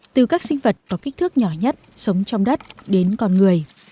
từ các sinh vật có kích thước nhỏ nhất sống trong đất đến con người